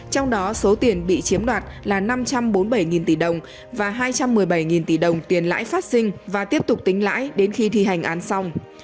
trong đó số tiền bị chiếm đoạt là năm trăm bốn mươi bảy tỷ đồng và hai trăm một mươi bảy tỷ đồng tiền lãi phát sinh và tiếp tục tính lãi đến khi thi hành án xong